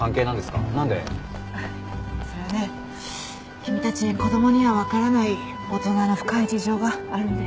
君たち子供にはわからない大人の深い事情があるんだよ。